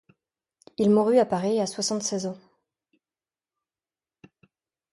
Il mourut à Paris à soixante-seize ans.